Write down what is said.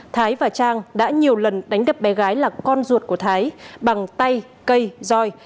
thái và trang đã nhiều lần đánh đập bé gái là con ruột của thái bằng tay cây roi